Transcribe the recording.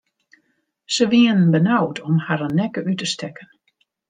Se wienen benaud om harren nekke út te stekken.